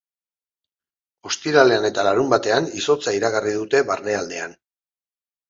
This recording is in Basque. Ostiralean eta larunbatean izotza iragarri dute barnealdean.